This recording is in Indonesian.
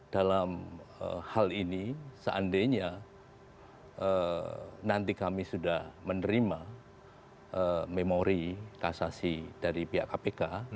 dalam hal ini seandainya nanti kami sudah menerima memori kasasi dari pihak kpk